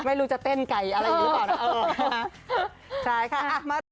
ไม่รู้จะเต้นไก่อะไรอย่างนี้หรือเปล่านะ